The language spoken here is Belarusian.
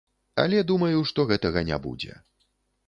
Але думаю, што гэтага не будзе.